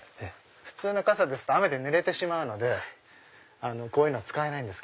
普通の傘ですと雨で濡れるのでこういうのは使えないんです。